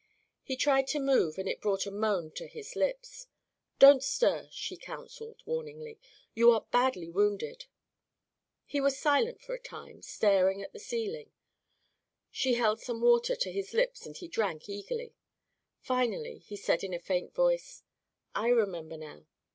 He tried to move and it brought a moan to his lips. "Don't stir," she counseled warningly; "you are badly wounded." He was silent for a time, staring at the ceiling. She held some water to his lips and he drank eagerly. Finally he said in a faint voice: "I remember, now.